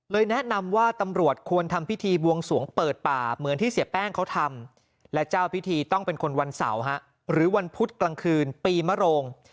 แนะนำว่าตำรวจควรทำพิธีบวงสวงเปิดป่าเหมือนที่เสียแป้งเขาทำและเจ้าพิธีต้องเป็นคนวันเสาร์หรือวันพุธกลางคืนปีมโรง